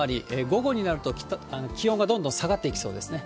午後になると気温がどんどん下がっていきそうですね。